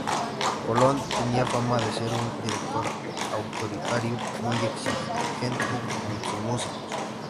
Colonne tenía fama de ser un director autoritario muy exigente con sus músicos.